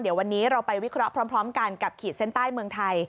เดี๋ยววันนี้เราไปวิเคราะห์พร้อมกันกับขีดเส้นใต้เมืองไทย